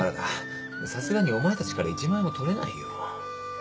さすがにお前たちから１万円も取れないよ。